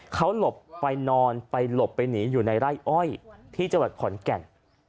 เขาหลบไปนอนไปหลบไปหนีอยู่ในไร่อ้อยที่จังหวัดขอนแก่น